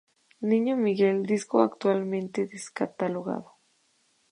Niño Miguel’', disco actualmente descatalogado.